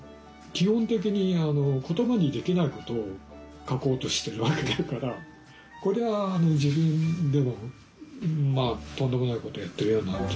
基本的に言葉にできないことを書こうとしてるわけだからこれは自分でもとんでもないことをやってるような気がするよね。